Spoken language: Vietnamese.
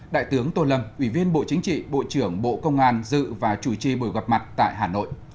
đại tướng tô lâm ủy viên bộ chính trị bộ trưởng bộ công an dự và chủ trì buổi gặp mặt tại hà nội